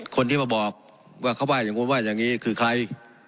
คนที่มาบอกว่าเขาว่าอย่างนู้นว่าอย่างนี้คือใคร